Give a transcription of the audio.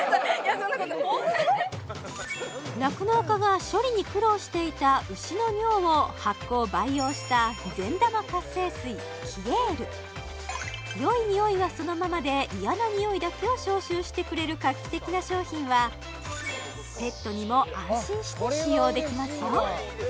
そんなこと酪農家が処理に苦労していた牛の尿を発酵培養したよい匂いはそのままで嫌な匂いだけを消臭してくれる画期的な商品はペットにも安心して使用できますよ